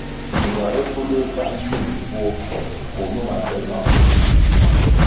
Mbware pfunduē pan pil mbvuo koh numa tel maku si.